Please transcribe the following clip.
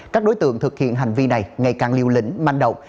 các đối tượng thực hiện hành vi này ngày càng liều lĩnh manh động